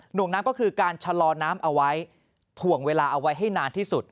วงน้ำก็คือการชะลอน้ำเอาไว้ถ่วงเวลาเอาไว้ให้นานที่สุด